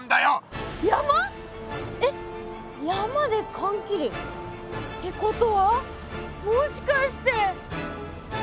えっ山でかんきり。ってことはもしかして。